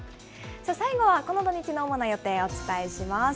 最後はこの土日の主な予定をお伝えします。